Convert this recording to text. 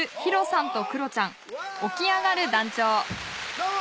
どうも！